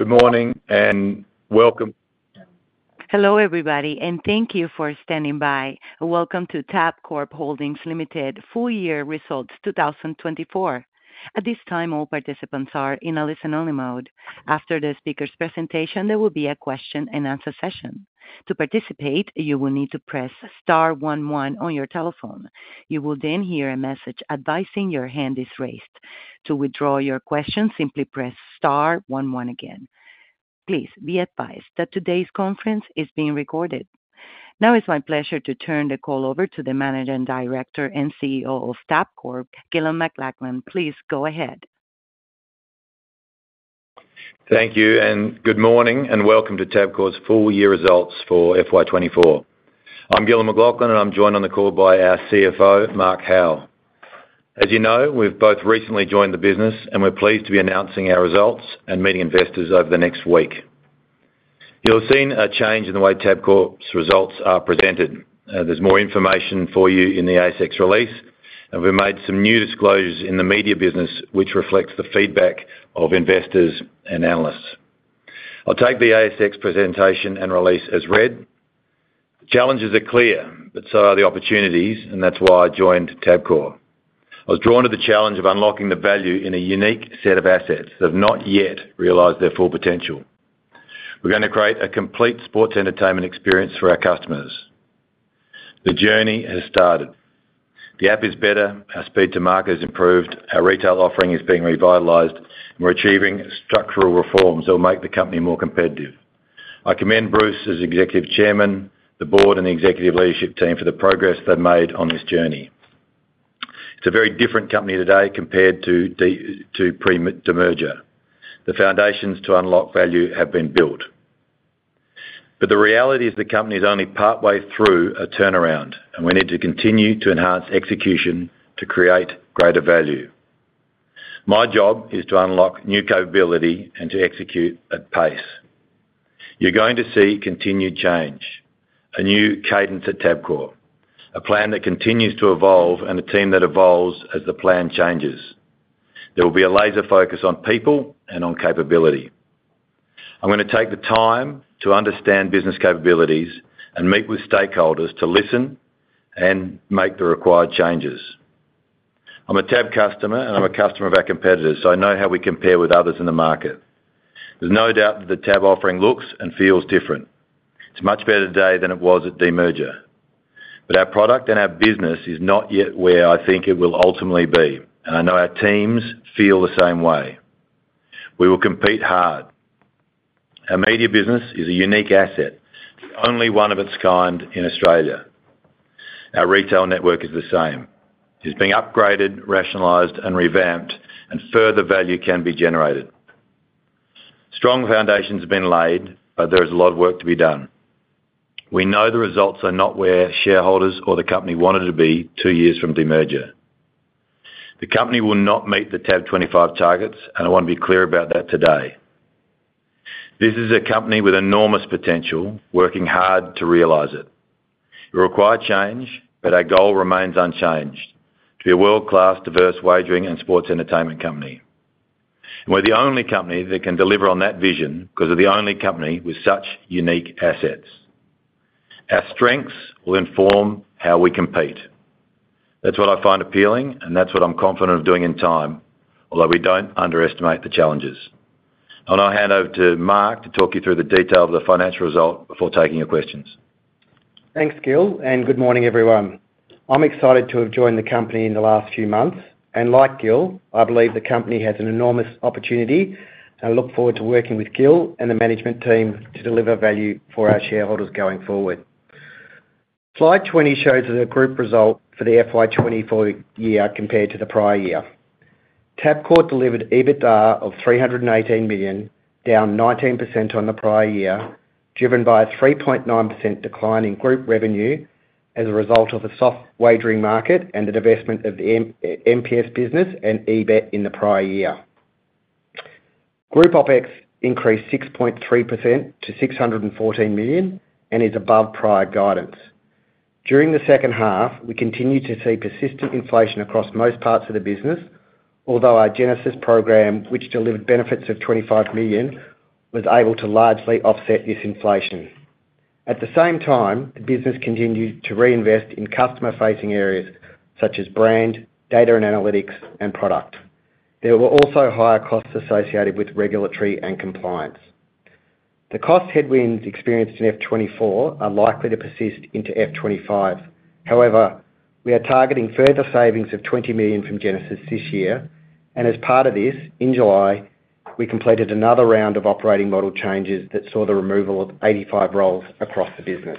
Good morning, and welcome. Hello, everybody, and thank you for standing by. Welcome to Tabcorp Holdings Limited Full Year Results 2024. At this time, all participants are in a listen-only mode. After the speaker's presentation, there will be a question-and-answer session. To participate, you will need to press star one one on your telephone. You will then hear a message advising your hand is raised. To withdraw your question, simply press star one one again. Please be advised that today's conference is being recorded. Now it's my pleasure to turn the call over to the Managing Director and CEO of Tabcorp, Gillon McLachlan. Please go ahead. Thank you, and good morning, and welcome to Tabcorp's full year results for FY 2024. I'm Gill McLachlan, and I'm joined on the call by our CFO, Mark Howell. As you know, we've both recently joined the business, and we're pleased to be announcing our results and meeting investors over the next week. You'll have seen a change in the way Tabcorp's results are presented. There's more information for you in the ASX release, and we've made some new disclosures in the media business, which reflects the feedback of investors and analysts. I'll take the ASX presentation and release as read. The challenges are clear, but so are the opportunities, and that's why I joined Tabcorp. I was drawn to the challenge of unlocking the value in a unique set of assets that have not yet realized their full potential. We're gonna create a complete sports entertainment experience for our customers. The journey has started. The app is better, our speed to market has improved, our retail offering is being revitalized, and we're achieving structural reforms that will make the company more competitive. I commend Bruce as Executive Chairman, the board and the executive leadership team for the progress they've made on this journey. It's a very different company today compared to pre-demerger. The foundations to unlock value have been built. But the reality is the company is only partway through a turnaround, and we need to continue to enhance execution to create greater value. My job is to unlock new capability and to execute at pace. You're going to see continued change, a new cadence at Tabcorp, a plan that continues to evolve, and a team that evolves as the plan changes. There will be a laser focus on people and on capability. I'm gonna take the time to understand business capabilities and meet with stakeholders to listen and make the required changes. I'm a TAB customer, and I'm a customer of our competitors, so I know how we compare with others in the market. There's no doubt that the TAB offering looks and feels different. It's much better today than it was at demerger, but our product and our business is not yet where I think it will ultimately be, and I know our teams feel the same way. We will compete hard. Our media business is a unique asset, the only one of its kind in Australia. Our retail network is the same. It's being upgraded, rationalized, and revamped, and further value can be generated. Strong foundations have been laid, but there is a lot of work to be done. We know the results are not where shareholders or the company wanted to be two years from demerger. The company will not meet the TAB25 targets, and I want to be clear about that today. This is a company with enormous potential, working hard to realize it. It'll require change, but our goal remains unchanged: to be a world-class, diverse wagering and sports entertainment company. We're the only company that can deliver on that vision because we're the only company with such unique assets. Our strengths will inform how we compete. That's what I find appealing, and that's what I'm confident of doing in time, although we don't underestimate the challenges. I'll now hand over to Mark to talk you through the detail of the financial result before taking your questions. Thanks, Gill, and good morning, everyone. I'm excited to have joined the company in the last few months, and like Gill, I believe the company has an enormous opportunity, and I look forward to working with Gill and the management team to deliver value for our shareholders going forward. Slide 20 shows the group result for the FY 2024 year compared to the prior year. Tabcorp delivered EBITDA of 318 million, down 19% on the prior year, driven by a 3.9% decline in group revenue as a result of a soft wagering market and the divestment of the MPS business and EBET in the prior year. Group OpEx increased 6.3% to 614 million and is above prior guidance. During the second half, we continued to see persistent inflation across most parts of the business, although our Genesis program, which delivered benefits of 25 million, was able to largely offset this inflation. At the same time, the business continued to reinvest in customer-facing areas such as brand, data and analytics, and product. There were also higher costs associated with regulatory and compliance. The cost headwinds experienced in FY 2024 are likely to persist into FY 2025. However, we are targeting further savings of 20 million from Genesis this year, and as part of this, in July, we completed another round of operating model changes that saw the removal of 85 roles across the business.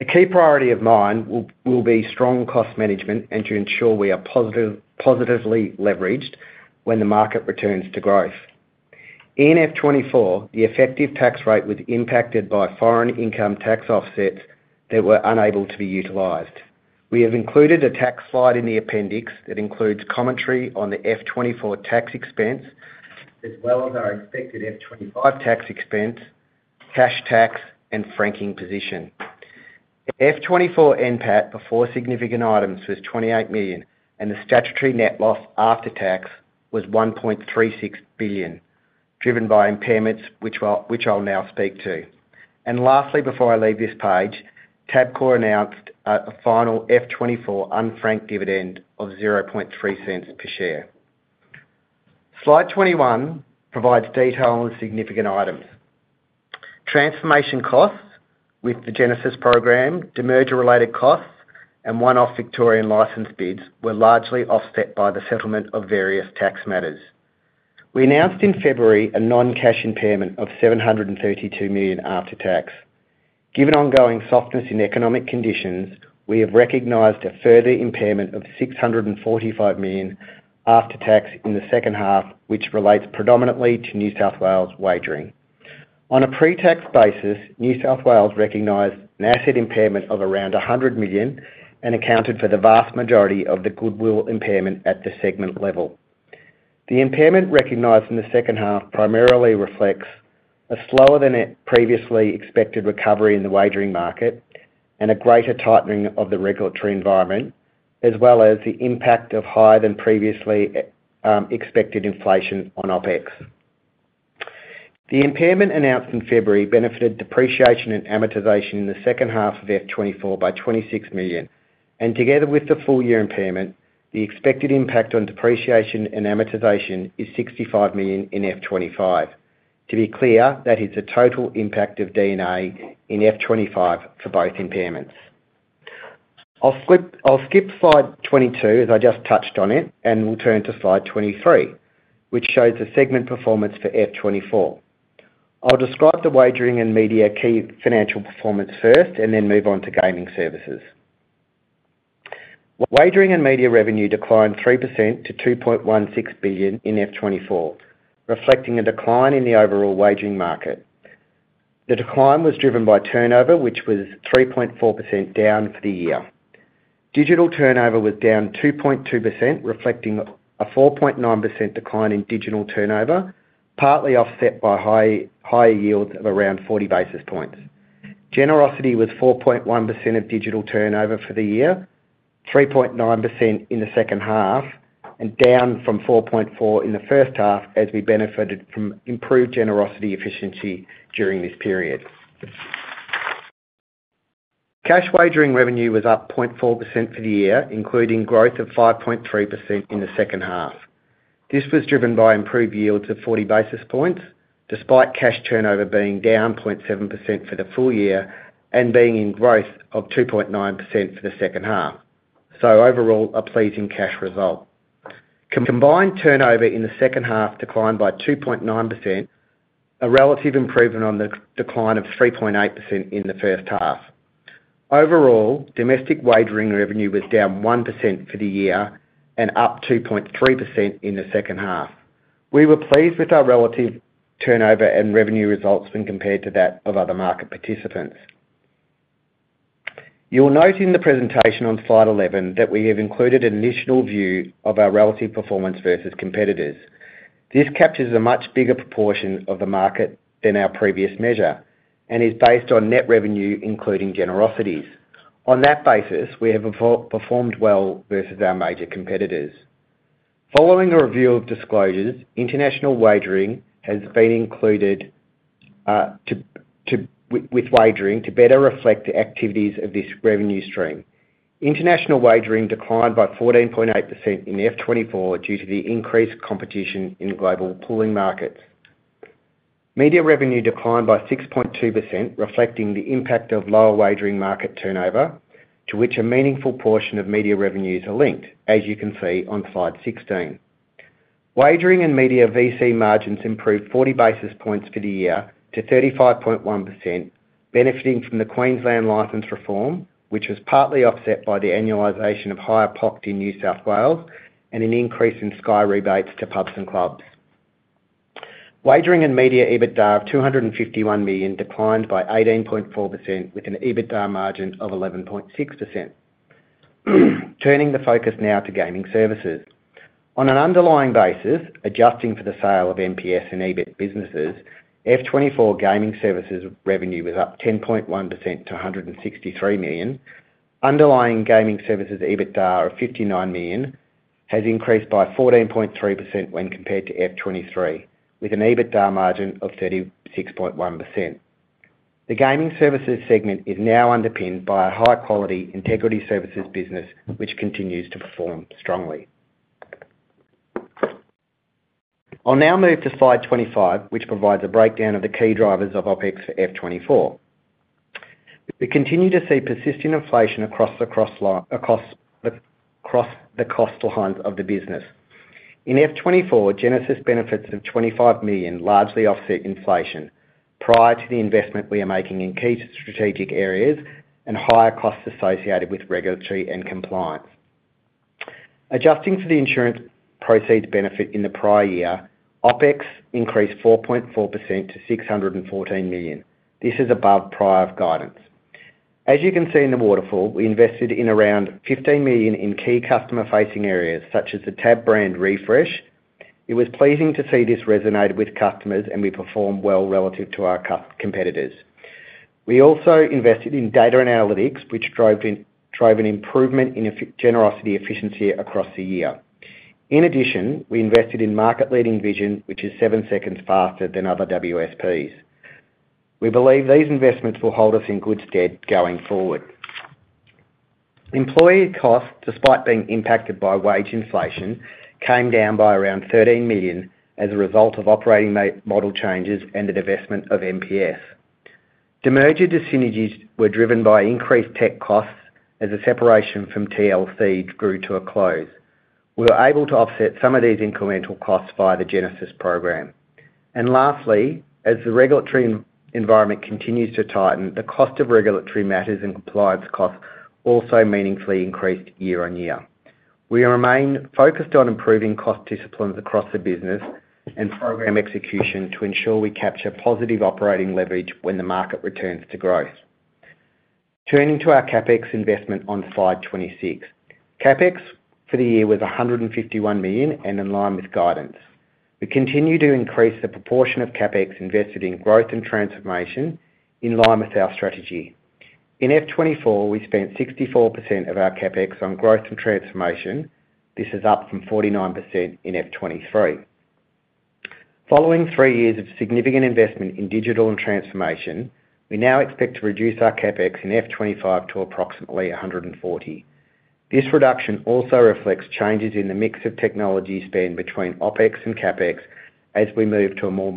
A key priority of mine will be strong cost management and to ensure we are positively leveraged when the market returns to growth. In FY 2024, the effective tax rate was impacted by foreign income tax offsets that were unable to be utilized. We have included a tax slide in the appendix that includes commentary on the FY 2024 tax expense, as well as our expected FY 2025 tax expense, cash tax, and franking position. FY 2024 NPAT, before significant items, was 28 million, and the statutory net loss after tax was 1.36 billion, driven by impairments, which I'll now speak to. Lastly, before I leave this page, Tabcorp announced a final FY 2024 unfranked dividend of 0.003 per share. Slide 21 provides detail on significant items. Transformation costs with the Genesis program, demerger-related costs, and one-off Victorian license bids were largely offset by the settlement of various tax matters. We announced in February a non-cash impairment of 732 million after tax. Given ongoing softness in economic conditions, we have recognized a further impairment of 645 million after tax in the second half, which relates predominantly to New South Wales wagering. On a pre-tax basis, New South Wales recognized an asset impairment of around 100 million and accounted for the vast majority of the goodwill impairment at the segment level. The impairment recognized in the second half primarily reflects a slower-than-it previously expected recovery in the wagering market and a greater tightening of the regulatory environment, as well as the impact of higher-than-previously expected inflation on OpEx. The impairment announced in February benefited depreciation and amortization in the second half of FY 2024 by 26 million, and together with the full year impairment, the expected impact on depreciation and amortization is 65 million in FY 2025. To be clear, that is the total impact of D&A in FY 2025 for both impairments. I'll skip slide 22, as I just touched on it, and we'll turn to Slide 23, which shows the segment performance for FY 2024. I'll describe the wagering and media key financial performance first and then move on to gaming services. Wagering and media revenue declined 3% to 2.16 billion in FY 2024, reflecting a decline in the overall wagering market. The decline was driven by turnover, which was 3.4% down for the year. Digital turnover was down 2.2%, reflecting a 4.9% decline in digital turnover, partly offset by higher yields of around 40 basis points. Generosity was 4.1% of digital turnover for the year, 3.9% in the second half, and down from 4.4% in the first half, as we benefited from improved generosity efficiency during this period. Cash wagering revenue was up 0.4% for the year, including growth of 5.3% in the second half. This was driven by improved yields of 40 basis points, despite cash turnover being down 0.7% for the full year and being in growth of 2.9% for the second half, so overall, a pleasing cash result. Combined turnover in the second half declined by 2.9%, a relative improvement on the decline of 3.8% in the first half. Overall, domestic wagering revenue was down 1% for the year and up 2.3% in the second half. We were pleased with our relative turnover and revenue results when compared to that of other market participants. You'll note in the presentation on slide 11 that we have included an initial view of our relative performance versus competitors. This captures a much bigger proportion of the market than our previous measure and is based on net revenue, including generosities. On that basis, we have performed well versus our major competitors. Following a review of disclosures, international wagering has been included together with wagering to better reflect the activities of this revenue stream. International wagering declined by 14.8% in FY 2024 due to the increased competition in global pooling markets. Media revenue declined by 6.2%, reflecting the impact of lower wagering market turnover, to which a meaningful portion of media revenues are linked, as you can see on slide 16. Wagering and media VC margins improved 40 basis points for the year to 35.1%, benefiting from the Queensland license reform, which was partly offset by the annualization of higher POC in New South Wales and an increase in Sky rebates to pubs and clubs. Wagering and media EBITDA of 251 million declined by 18.4%, with an EBITDA margin of 11.6%. Turning the focus now to gaming services. On an underlying basis, adjusting for the sale of MPS and eBET businesses, FY 2024 gaming services revenue was up 10.1% to 163 million. Underlying gaming services EBITDA of 59 million has increased by 14.3% when compared to FY 2023, with an EBITDA margin of 36.1%. The gaming services segment is now underpinned by a high-quality integrity services business, which continues to perform strongly. I'll now move to slide 25, which provides a breakdown of the key drivers of OpEx for FY 2024. We continue to see persistent inflation across the cost lines of the business. In FY 2024, Genesis benefits of AUD 25 million largely offset inflation prior to the investment we are making in key strategic areas and higher costs associated with regulatory and compliance. Adjusting to the insurance proceeds benefit in the prior year, OpEx increased 4.4% to 614 million. This is above prior guidance. As you can see in the waterfall, we invested in around 15 million in key customer-facing areas, such as the Tab brand refresh. It was pleasing to see this resonated with customers, and we performed well relative to our competitors. We also invested in data and analytics, which drove an improvement in efficiency across the year. In addition, we invested in market-leading vision, which is 7 seconds faster than other WSPs. We believe these investments will hold us in good stead going forward. Employee costs, despite being impacted by wage inflation, came down by around 13 million as a result of operating model changes and the divestment of MPS. Demerger synergies were driven by increased tech costs as a separation from TLC drew to a close. We were able to offset some of these incremental costs via the Genesis program. Lastly, as the regulatory environment continues to tighten, the cost of regulatory matters and compliance costs also meaningfully increased year-on-year. We remain focused on improving cost disciplines across the business and program execution to ensure we capture positive operating leverage when the market returns to growth. Turning to our CapEx investment on slide 26. CapEx for the year was 151 million and in line with guidance. We continue to increase the proportion of CapEx invested in growth and transformation in line with our strategy. In FY 2024, we spent 64% of our CapEx on growth and transformation. This is up from 49% in FY 2023. Following three years of significant investment in digital and transformation, we now expect to reduce our CapEx in FY 2025 to approximately 140 million. This reduction also reflects changes in the mix of technology spend between OpEx and CapEx as we move to a more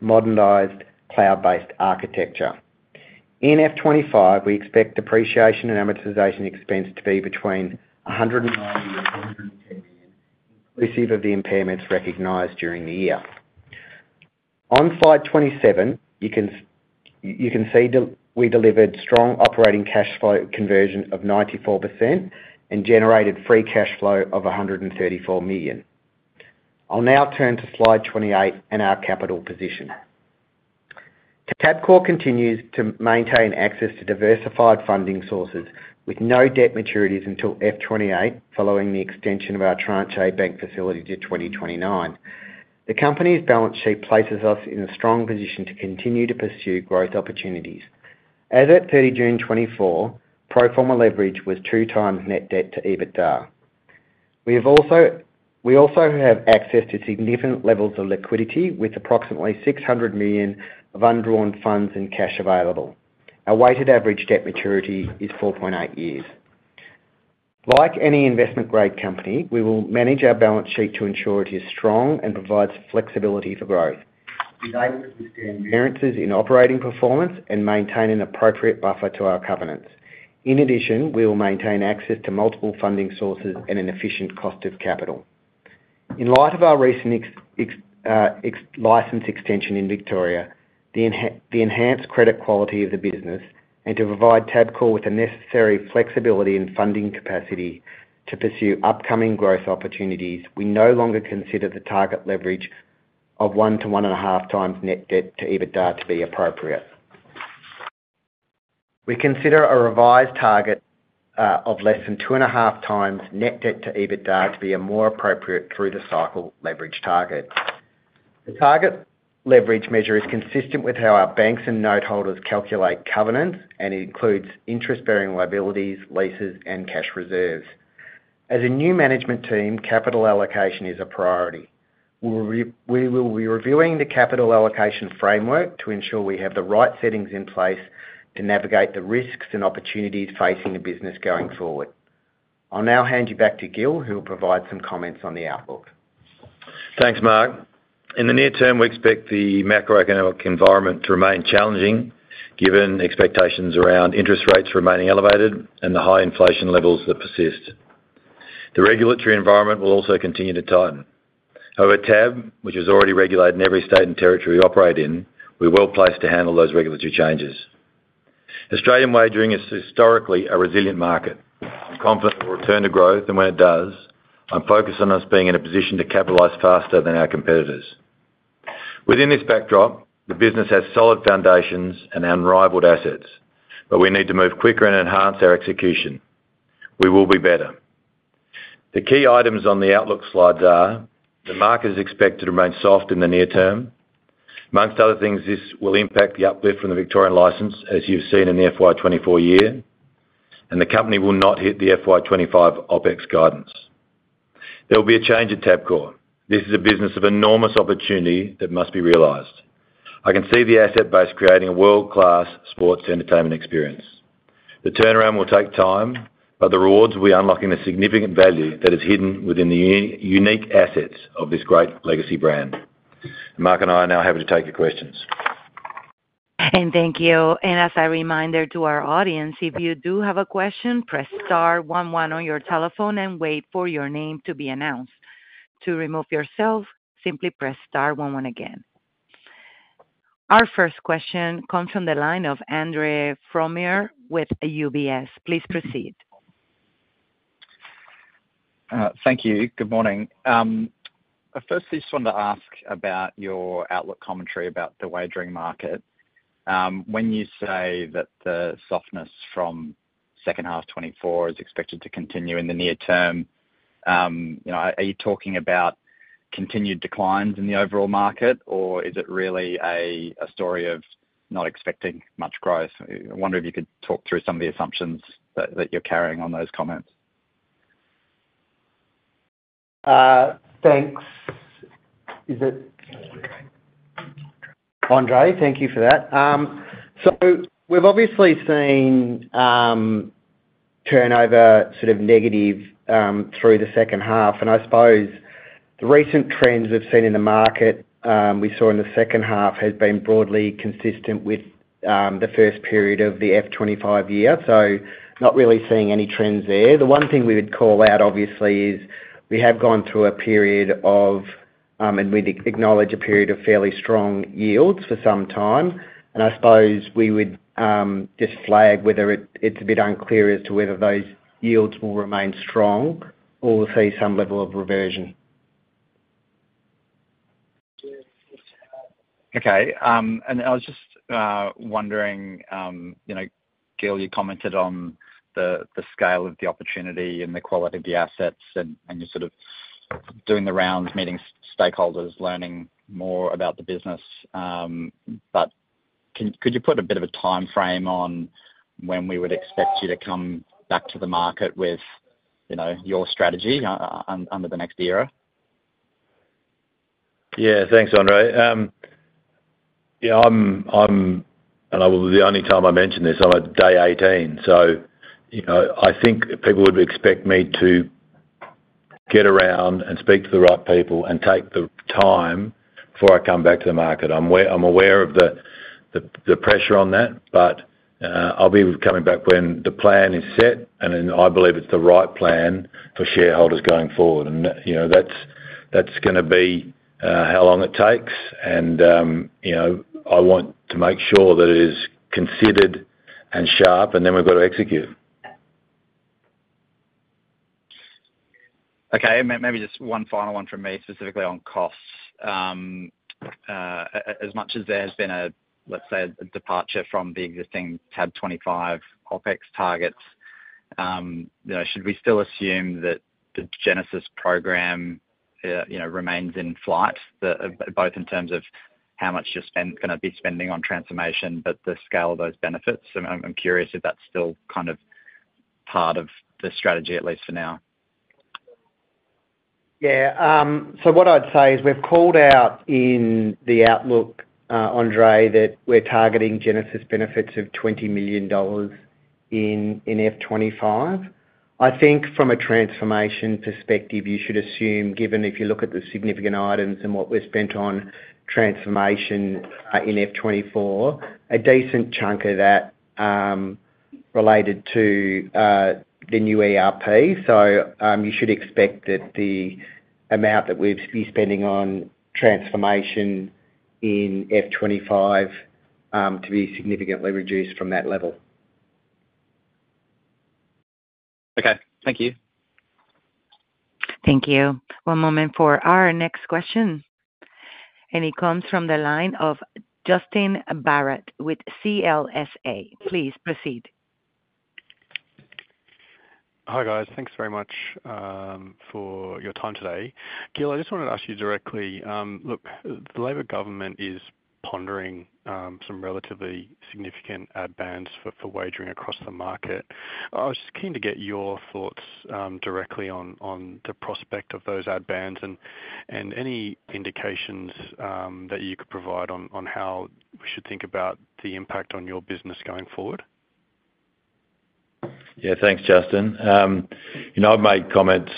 modernized, cloud-based architecture. In FY 2025, we expect depreciation and amortization expense to be between 109 million and 110 million, inclusive of the impairments recognized during the year. On slide 27, you can see we delivered strong operating cash flow conversion of 94% and generated free cash flow of 134 million. I'll now turn to slide 28 and our capital position. Tabcorp continues to maintain access to diversified funding sources with no debt maturities until FY 2028, following the extension of our Tranche A bank facility to 2029. The company's balance sheet places us in a strong position to continue to pursue growth opportunities. As at 30 June 2024, pro forma leverage was two times net debt to EBITDA. We also have access to significant levels of liquidity, with approximately 600 million of undrawn funds and cash available. Our weighted average debt maturity is 4.8 years. Like any investment-grade company, we will manage our balance sheet to ensure it is strong and provides flexibility for growth, enabling variances in operating performance and maintain an appropriate buffer to our covenants. In addition, we will maintain access to multiple funding sources and an efficient cost of capital. In light of our recent license extension in Victoria, the enhanced credit quality of the business, and to provide Tabcorp with the necessary flexibility and funding capacity to pursue upcoming growth opportunities, we no longer consider the target leverage of one to one and a half times net debt to EBITDA to be appropriate. We consider a revised target of less than two and a half times net debt to EBITDA to be a more appropriate through-the-cycle leverage target. The target leverage measure is consistent with how our banks and note holders calculate covenants, and it includes interest-bearing liabilities, leases, and cash reserves. As a new management team, capital allocation is a priority. We will be reviewing the capital allocation framework to ensure we have the right settings in place to navigate the risks and opportunities facing the business going forward. I'll now hand you back to Gill, who will provide some comments on the outlook. Thanks, Mark. In the near term, we expect the macroeconomic environment to remain challenging, given expectations around interest rates remaining elevated and the high inflation levels that persist. The regulatory environment will also continue to tighten. However, TAB, which is already regulated in every state and territory we operate in, we're well placed to handle those regulatory changes. Australian wagering is historically a resilient market. I'm confident it will return to growth, and when it does, I'm focused on us being in a position to capitalize faster than our competitors. Within this backdrop, the business has solid foundations and unrivaled assets, but we need to move quicker and enhance our execution. We will be better. The key items on the outlook slides are: the market is expected to remain soft in the near term. Among other things, this will impact the uplift from the Victorian license, as you've seen in the FY 2024 year, and the company will not hit the FY 2025 OpEx guidance. There will be a change at Tabcorp. This is a business of enormous opportunity that must be realized. I can see the asset base creating a world-class sports entertainment experience. The turnaround will take time, but the rewards will be unlocking the significant value that is hidden within the unique assets of this great legacy brand. Mark and I are now happy to take your questions. Thank you. As a reminder to our audience, if you do have a question, press star one one on your telephone and wait for your name to be announced. To remove yourself, simply press star one one again. Our first question comes from the line of Andre Fromyhr with UBS. Please proceed. Thank you. Good morning. I firstly just wanted to ask about your outlook commentary about the wagering market. When you say that the softness from second half 2024 is expected to continue in the near term, you know, are you talking about continued declines in the overall market, or is it really a story of not expecting much growth? I wonder if you could talk through some of the assumptions that you're carrying on those comments. Thanks. Is it- Andre, thank you for that. So we've obviously seen, turnover sort of negative, through the second half, and I suppose the recent trends we've seen in the market, we saw in the second half has been broadly consistent with, the first period of the FY 2025 year. So not really seeing any trends there. The one thing we would call out, obviously, is we have gone through a period of, and we'd acknowledge a period of fairly strong yields for some time. And I suppose we would, just flag whether it's a bit unclear as to whether those yields will remain strong or see some level of reversion. Okay, and I was just wondering, you know, Gill, you commented on the scale of the opportunity and the quality of the assets and you're sort of doing the rounds, meeting stakeholders, learning more about the business. Could you put a bit of a timeframe on when we would expect you to come back to the market with, you know, your strategy under the next era? Yeah, thanks, Andre. Yeah, and I will. The only time I mention this, I'm at day 18, so, you know, I think people would expect me to get around and speak to the right people and take the time before I come back to the market. I'm aware of the pressure on that, but, I'll be coming back when the plan is set, and then I believe it's the right plan for shareholders going forward. And, you know, that's gonna be how long it takes, and, you know, I want to make sure that it is considered and sharp, and then we've got to execute. Okay, maybe just one final one from me, specifically on costs. As much as there has been a, let's say, a departure from the existing TAB25 OpEx targets, you know, should we still assume that the Genesis program remains in flight, both in terms of how much you're gonna be spending on transformation, but the scale of those benefits? I'm curious if that's still kind of part of the strategy, at least for now. Yeah, so what I'd say is we've called out in the outlook, Andre, that we're targeting Genesis benefits of 20 million dollars in FY 2025. I think from a transformation perspective, you should assume, given if you look at the significant items and what we spent on transformation in FY 2024, a decent chunk of that related to the new ERP. So, you should expect that the amount that we'll be spending on transformation in FY 2025 to be significantly reduced from that level. Okay. Thank you. Thank you. One moment for our next question, and it comes from the line of Justin Barratt with CLSA. Please proceed. Hi, guys. Thanks very much for your time today. Gill, I just wanted to ask you directly, look, the Labor government is pondering some relatively significant ad bans for wagering across the market. I was just keen to get your thoughts directly on the prospect of those ad bans and any indications that you could provide on how we should think about the impact on your business going forward. Yeah. Thanks, Justin. You know, I've made comments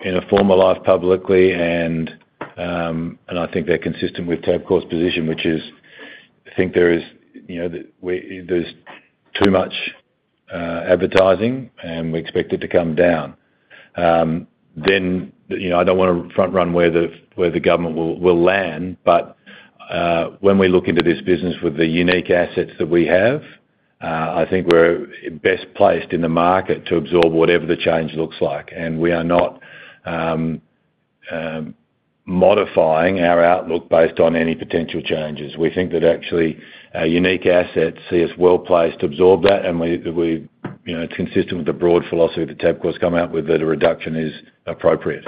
in a former life publicly, and I think they're consistent with Tabcorp's position, which is, I think there is, you know, there's too much advertising, and we expect it to come down, then you know, I don't wanna front run where the government will land, but when we look into this business with the unique assets that we have, I think we're best placed in the market to absorb whatever the change looks like, and we are not modifying our outlook based on any potential changes. We think that actually our unique assets see us well placed to absorb that, and we, you know, consistent with the broad philosophy that Tabcorp's come out with, that a reduction is appropriate.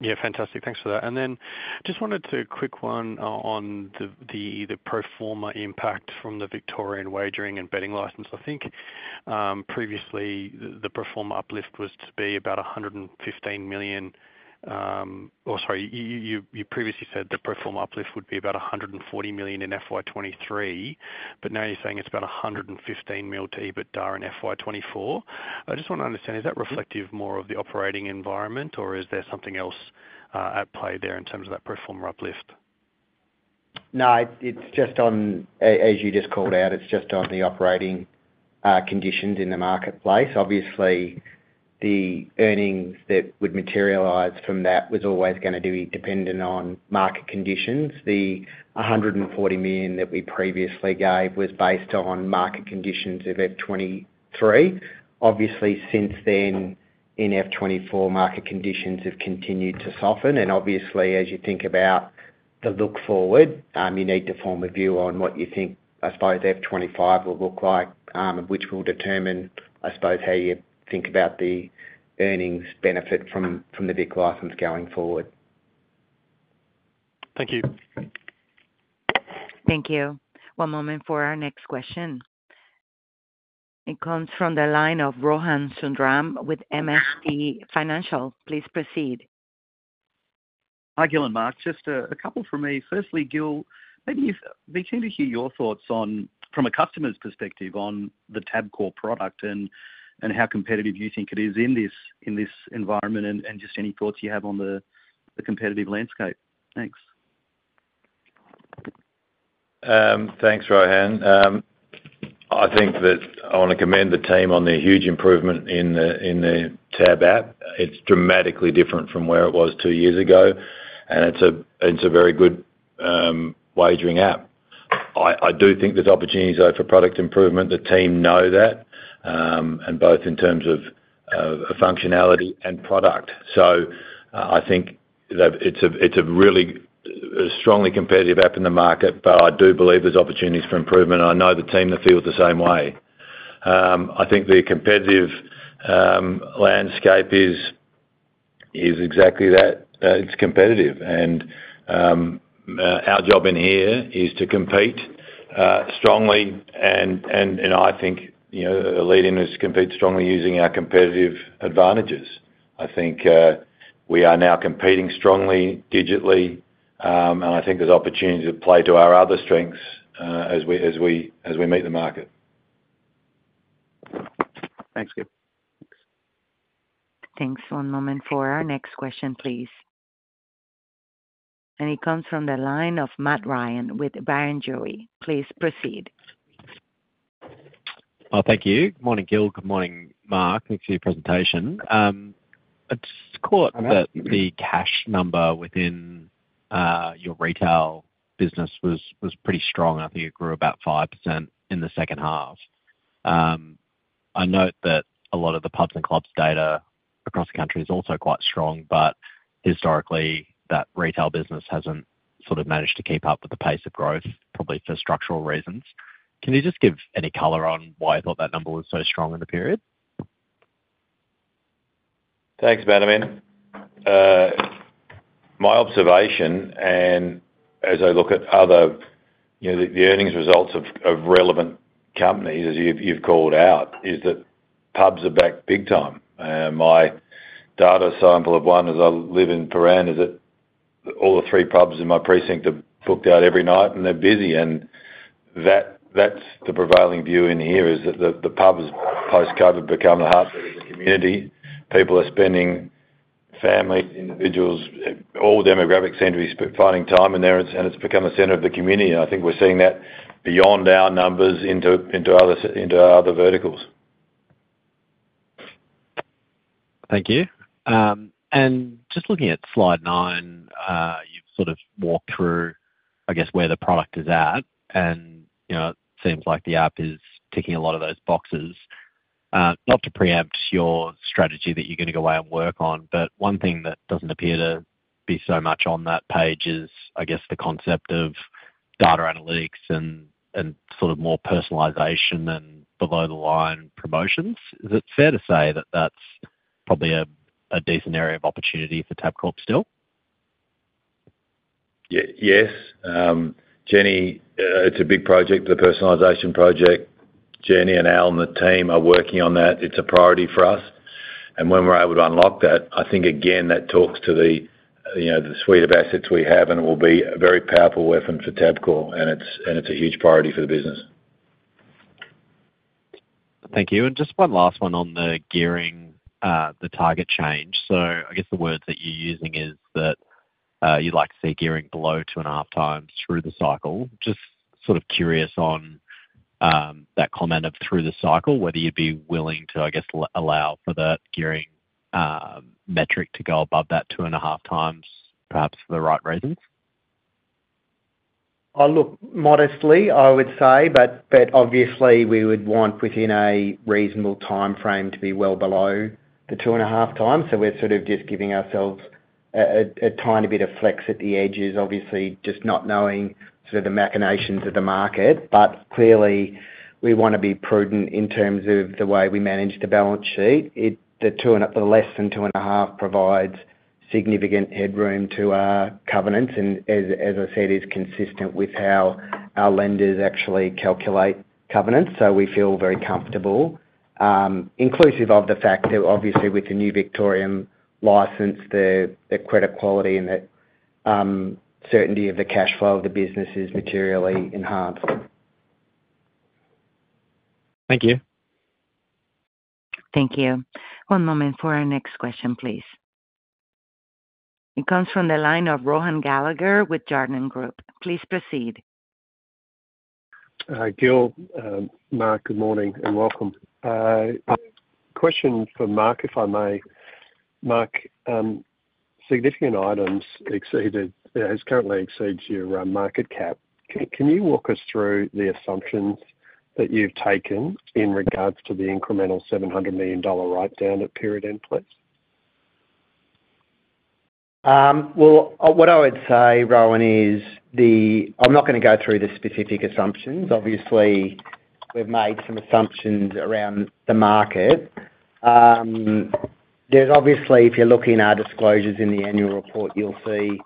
Yeah, fantastic. Thanks for that. And then just wanted to quick one on the pro forma impact from the Victorian Wagering and Betting License. I think previously the pro forma uplift was to be about 115 million, or sorry, you previously said the pro forma uplift would be about 140 million in FY 2023, but now you're saying it's about 115 mil to EBITDA in FY 2024. I just want to understand, is that reflective more of the operating environment, or is there something else at play there in terms of that pro forma uplift? No, it's just on as you just called out, it's just on the operating conditions in the marketplace. Obviously, the earnings that would materialize from that was always gonna be dependent on market conditions. The 140 million that we previously gave was based on market conditions of FY 2023. Obviously, since then in FY 2024, market conditions have continued to soften, and obviously, as you think about the look forward, you need to form a view on what you think, I suppose FY 2025 will look like, which will determine, I suppose, how you think about the earnings benefit from the Vic license going forward. Thank you. Thank you. One moment for our next question. It comes from the line of Rohan Sundram with MST Financial. Please proceed. Hi, Gill and Mark, just a couple from me. Firstly, Gill, maybe if we came to hear your thoughts on, from a customer's perspective, on the Tabcorp product and, and how competitive you think it is in this, in this environment, and, and just any thoughts you have on the, the competitive landscape. Thanks. Thanks, Rohan. I think that I wanna commend the team on their huge improvement in the TAB app. It's dramatically different from where it was two years ago, and it's a very good wagering app. I do think there's opportunities, though, for product improvement. The team know that, and both in terms of functionality and product. So, I think that it's a really strongly competitive app in the market, but I do believe there's opportunities for improvement, and I know the team feels the same way. I think the competitive landscape is exactly that. It's competitive. Our job here is to compete strongly, and I think, you know, the lead in is to compete strongly using our competitive advantages. I think we are now competing strongly, digitally, and I think there's opportunity to play to our other strengths, as we meet the market. Thanks, Gil. Thanks. One moment for our next question, please. And it comes from the line of Matt Ryan with Barrenjoey. Please proceed. Thank you. Good morning, Gill. Good morning, Mark. Thanks for your presentation. I caught that the cash number within your retail business was pretty strong. I think it grew about 5% in the second half. I note that a lot of the pubs and clubs data across the country is also quite strong, but historically, that retail business hasn't sort of managed to keep up with the pace of growth, probably for structural reasons. Can you just give any color on why you thought that number was so strong in the period? Thanks, Matt. I mean, my observation, and as I look at other, you know, the earnings results of relevant companies, as you've called out, is that pubs are back big time. My data sample of one, as I live in Prahran, is that all the three pubs in my precinct are booked out every night, and they're busy, and that's the prevailing view in here, is that the pub has post-COVID, become the heartbeat of the community. People are spending, families, individuals, all demographic centers finding time in there, and it's become the center of the community, and I think we're seeing that beyond our numbers into our other verticals. Thank you. And just looking at slide nine, you've sort of walked through, I guess, where the product is at, and, you know, it seems like the app is ticking a lot of those boxes. Not to preempt your strategy that you're gonna go out and work on, but one thing that doesn't appear to be so much on that page is, I guess, the concept of data analytics and sort of more personalization and below the line promotions. Is it fair to say that that's probably a decent area of opportunity for Tabcorp still? Yes. Jenny, it's a big project, the personalization project. Jenny and Al and the team are working on that. It's a priority for us. And when we're able to unlock that, I think, again, that talks to the, you know, the suite of assets we have, and it will be a very powerful weapon for Tabcorp, and it's a huge priority for the business. Thank you. And just one last one on the gearing, the target change. So I guess the word that you're using is that, you'd like to see gearing below two and a half times through the cycle. Just sort of curious on, that comment of through the cycle, whether you'd be willing to, I guess, allow for the gearing, metric to go above that two and a half times, perhaps for the right reasons? Look, modestly, I would say, but obviously we would want within a reasonable timeframe to be well below the two and a half times. So we're sort of just giving ourselves a tiny bit of flex at the edges, obviously, just not knowing sort of the machinations of the market. But clearly, we wanna be prudent in terms of the way we manage the balance sheet. It, the two and a half, the less than two and a half provides significant headroom to our covenants, and as I said, is consistent with how our lenders actually calculate covenants. So we feel very comfortable, inclusive of the fact that obviously with the new Victorian license, the credit quality and the certainty of the cash flow of the business is materially enhanced. Thank you. Thank you. One moment for our next question, please. It comes from the line of Rohan Gallagher with Jarden Group. Please proceed. Gill, Mark, good morning and welcome. Question for Mark, if I may. Mark, significant items exceeded has currently exceeds your market cap. Can you walk us through the assumptions that you've taken in regards to the incremental 700 million dollar write-down at period end, please? Well, what I would say, Rohan, is I'm not gonna go through the specific assumptions. Obviously, we've made some assumptions around the market. There's obviously, if you're looking at our disclosures in the annual report, you'll see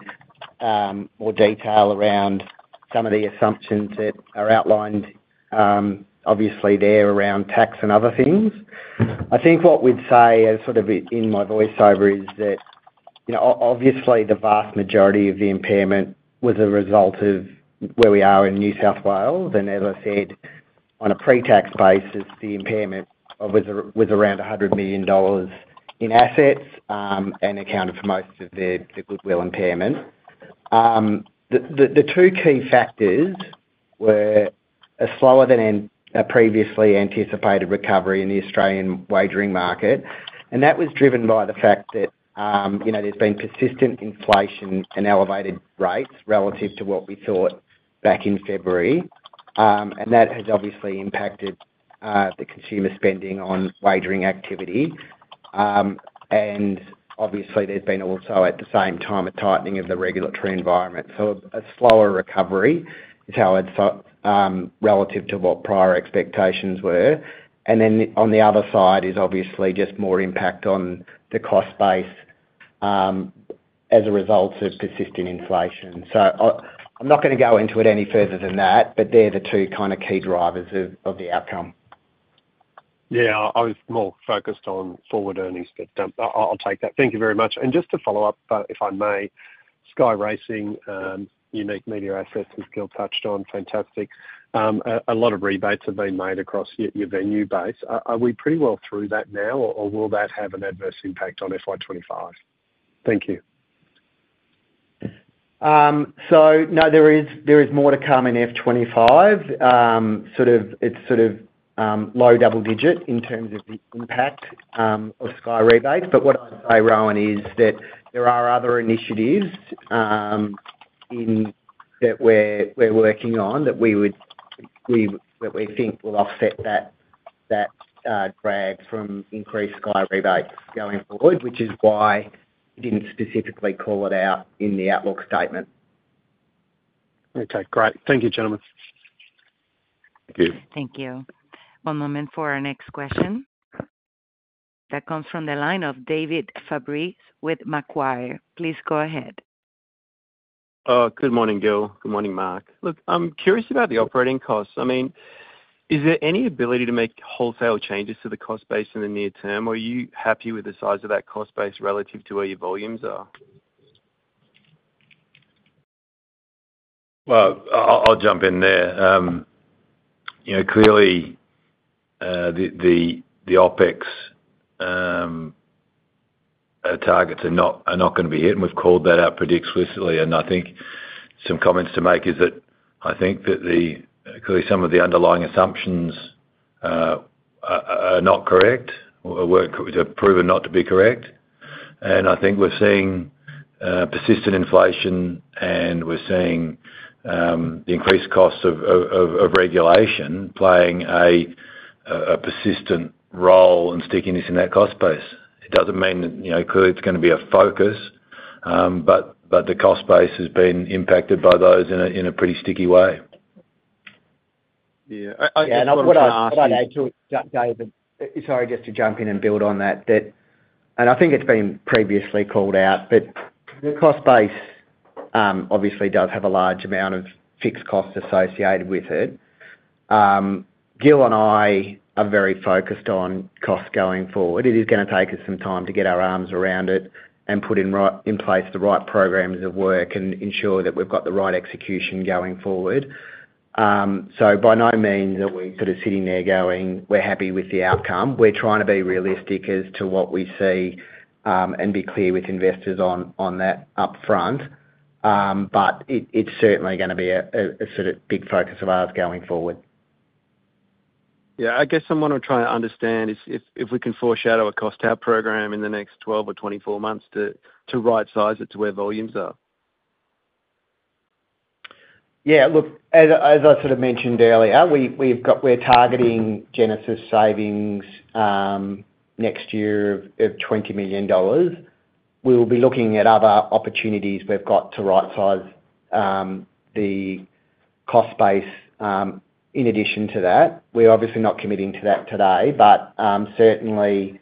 more detail around some of the assumptions that are outlined, obviously there around tax and other things. I think what we'd say, as sort of in my voiceover, is that, you know, obviously, the vast majority of the impairment was a result of where we are in New South Wales. And as I said, on a pre-tax basis, the impairment was around 100 million dollars in assets, and accounted for most of the goodwill impairment. The two key factors were a slower than a previously anticipated recovery in the Australian wagering market, and that was driven by the fact that, you know, there's been persistent inflation and elevated rates relative to what we thought back in February. And that has obviously impacted the consumer spending on wagering activity. And obviously, there's been also, at the same time, a tightening of the regulatory environment. So a slower recovery is how I'd say relative to what prior expectations were. And then on the other side is obviously just more impact on the cost base, as a result of persistent inflation. So I'm not gonna go into it any further than that, but they're the two kind of key drivers of the outcome. Yeah, I was more focused on forward earnings, but, I'll take that. Thank you very much. And just to follow up, if I may, Sky Racing unique media assets as Gil touched on, fantastic. A lot of rebates have been made across your venue base. Are we pretty well through that now, or will that have an adverse impact on FY 2025? Thank you. So no, there is more to come in FY 2025. Sort of, it's low double digit in terms of the impact of Sky rebates. But what I'd say, Rohan, is that there are other initiatives that we're working on that we think will offset that drag from increased Sky rebates going forward, which is why we didn't specifically call it out in the outlook statement. Okay, great. Thank you, gentlemen. Thank you. Thank you. One moment for our next question. That comes from the line of David Fabris with Macquarie. Please go ahead. Good morning, Gill. Good morning, Mark. Look, I'm curious about the operating costs. I mean, is there any ability to make wholesale changes to the cost base in the near term, or are you happy with the size of that cost base relative to where your volumes are? Well, I'll jump in there. You know, clearly, the OpEx targets are not gonna be hit, and we've called that out pretty explicitly. And I think some comments to make is that I think that clearly, some of the underlying assumptions are not correct or were proven not to be correct. And I think we're seeing persistent inflation, and we're seeing the increased costs of regulation playing a persistent role in stickiness in that cost base. It doesn't mean that, you know, clearly it's gonna be a focus, but the cost base has been impacted by those in a pretty sticky way. Yeah. Yeah, and what I'd add to it, David, sorry, just to jump in and build on that. And I think it's been previously called out, but the cost base obviously does have a large amount of fixed costs associated with it. Gill and I are very focused on costs going forward. It is gonna take us some time to get our arms around it and put in place the right programs of work and ensure that we've got the right execution going forward. So by no means are we sort of sitting there going, "We're happy with the outcome." We're trying to be realistic as to what we see and be clear with investors on that up front. But it, it's certainly gonna be a sort of big focus of ours going forward. Yeah, I guess I want to try to understand if we can foreshadow a cost to our program in the next twelve or twenty-four months to rightsize it to where volumes are? Yeah, look, as I sort of mentioned earlier, we've got we're targeting Genesis savings next year of 20 million dollars. We'll be looking at other opportunities we've got to rightsize the cost base in addition to that. We're obviously not committing to that today, but certainly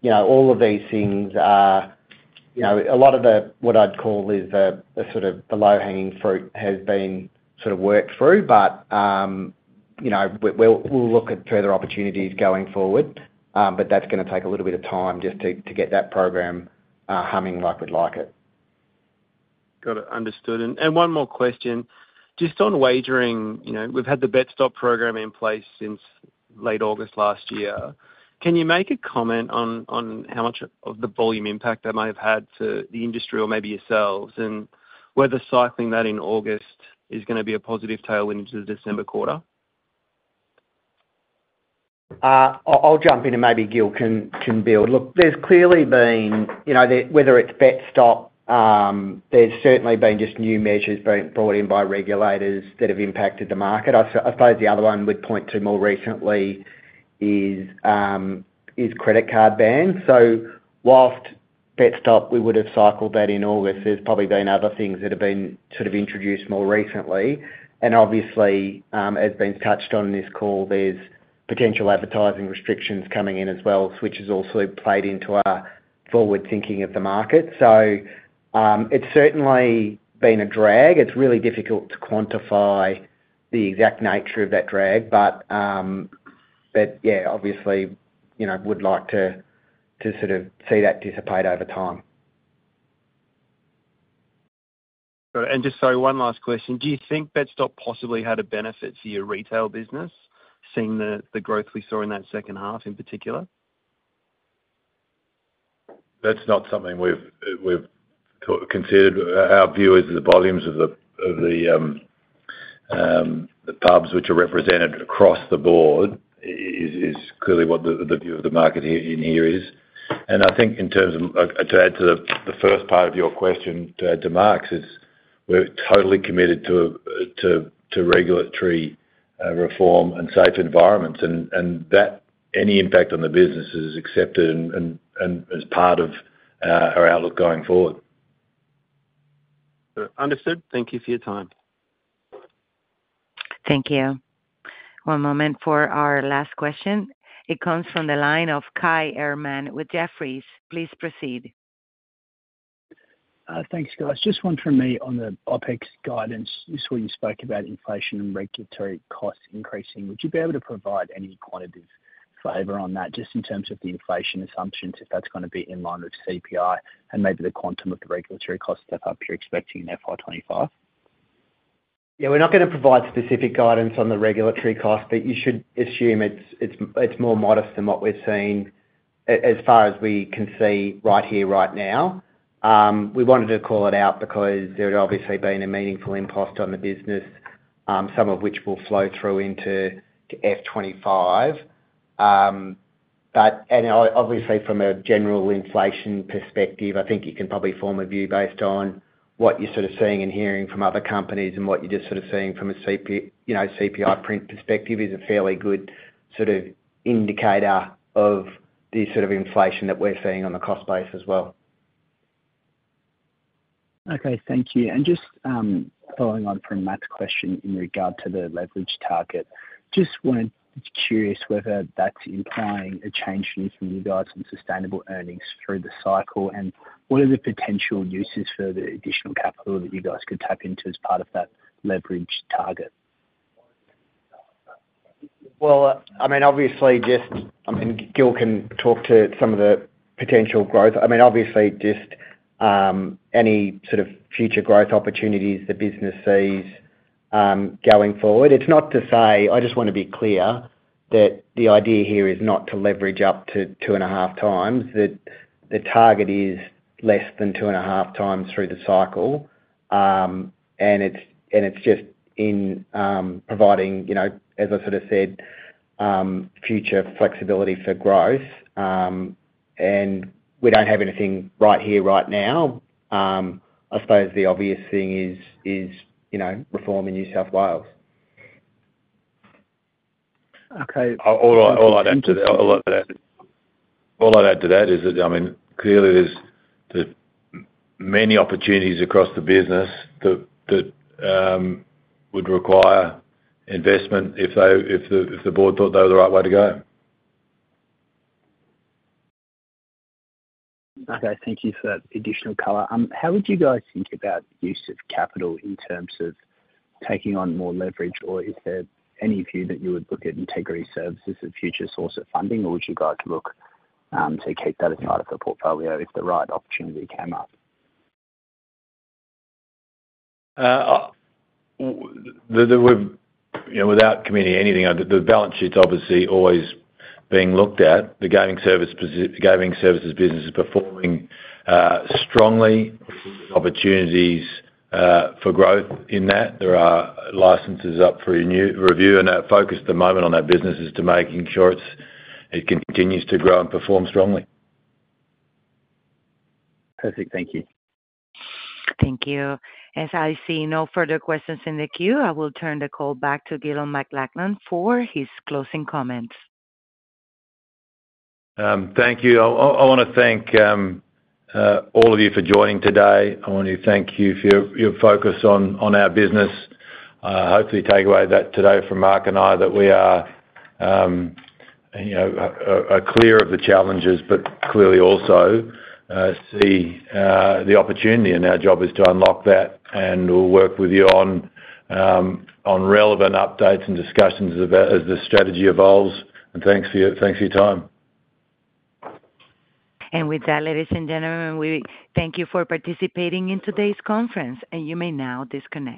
you know, all of these things are you know, a lot of the what I'd call the sort of low-hanging fruit has been sort of worked through. But you know, we'll look at further opportunities going forward, but that's gonna take a little bit of time just to get that program humming like we'd like it. Got it. Understood. And one more question, just on wagering, you know, we've had the BetStop program in place since late August last year. Can you make a comment on how much of the volume impact that might have had to the industry or maybe yourselves, and whether cycling that in August is gonna be a positive tailwind into the December quarter?... I'll jump in, and maybe Gil can build. Look, there's clearly been, you know, whether it's BetStop, there's certainly been just new measures being brought in by regulators that have impacted the market. I suppose the other one we'd point to more recently is credit card bans. So whilst BetStop, we would've cycled that in August, there's probably been other things that have been sort of introduced more recently. And obviously, has been touched on in this call, there's potential advertising restrictions coming in as well, which has also played into our forward thinking of the market. So, it's certainly been a drag. It's really difficult to quantify the exact nature of that drag, but yeah, obviously, you know, would like to sort of see that dissipate over time. And just sorry, one last question. Do you think BetStop possibly had a benefit to your retail business, seeing the growth we saw in that second half in particular? That's not something we've considered. Our view is the volumes of the pubs which are represented across the board is clearly what the view of the market here is. I think in terms of to add to the first part of your question, to add to Mark's, is we're totally committed to regulatory reform and safe environments, and as part of our outlook going forward. Understood. Thank you for your time. Thank you. One moment for our last question. It comes from the line of Kai Erman with Jefferies. Please proceed. Thanks, guys. Just one from me on the OpEx guidance. You saw, you spoke about inflation and regulatory costs increasing. Would you be able to provide any quantitative flavor on that, just in terms of the inflation assumptions, if that's gonna be in line with CPI and maybe the quantum of the regulatory costs that you're expecting in FY 2025? Yeah, we're not gonna provide specific guidance on the regulatory cost, but you should assume it's more modest than what we're seeing as far as we can see right here, right now. We wanted to call it out because there had obviously been a meaningful impost on the business, some of which will flow through into FY 2025. But obviously, from a general inflation perspective, I think you can probably form a view based on what you're sort of seeing and hearing from other companies, and what you're just sort of seeing from a CPI print perspective is a fairly good sort of indicator of the sort of inflation that we're seeing on the cost base as well. Okay, thank you, and just, following on from Matt's question in regard to the leverage target, just were curious whether that's implying a change in you guys in sustainable earnings through the cycle, and what are the potential uses for the additional capital that you guys could tap into as part of that leverage target? Well, I mean, obviously, just, I mean, Gill can talk to some of the potential growth. I mean, obviously, just, any sort of future growth opportunities the business sees, going forward. It's not to say, I just wanna be clear, that the idea here is not to leverage up to two and a half times, that the target is less than two and a half times through the cycle. And it's, and it's just in, providing, you know, as I sort of said, future flexibility for growth, and we don't have anything right here, right now. I suppose the obvious thing is, you know, reform in New South Wales. Okay- All I'd add to that is that, I mean, clearly there's the many opportunities across the business that would require investment if the board thought they were the right way to go. Okay. Thank you for that additional color. How would you guys think about use of capital in terms of taking on more leverage, or is there any view that you would look at Integrity Services as a future source of funding, or would you like to look to keep that as part of the portfolio if the right opportunity came up? We've, you know, without committing anything, the balance sheet's obviously always being looked at. The gaming services business is performing strongly. Opportunities for growth in that. There are licenses up for review, and our focus at the moment on that business is to making sure it's continues to grow and perform strongly. Perfect. Thank you. Thank you. As I see no further questions in the queue, I will turn the call back to Gill McLachlan for his closing comments. Thank you. I wanna thank all of you for joining today. I want to thank you for your focus on our business. Hopefully you take away that today from Mark and I, that we are, you know, clear of the challenges, but clearly also see the opportunity, and our job is to unlock that, and we'll work with you on relevant updates and discussions about as the strategy evolves. Thanks for your time. And with that, ladies and gentlemen, we thank you for participating in today's conference, and you may now disconnect.